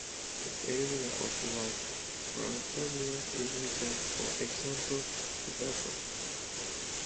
The area of Low Franconian is without for example Wuppertal.